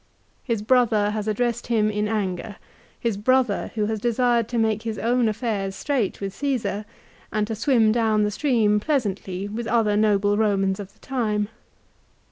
His brother has addressed him in anger, his brother who has desired to make his own affairs straight with Caesar, and to swim down the stream pleasantly with other noble Eomans of the time.